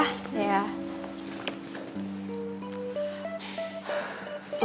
terima kasih ya